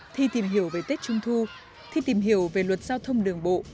thi tìm hiểu về tết trung thu thi tìm hiểu về luật giao thông đường bộ